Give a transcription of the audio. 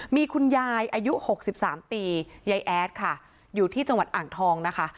มีคุณยายอายุ๖๓ปียายแอดค่ะอยู่ที่จังหวัดอ่างทองนะคะ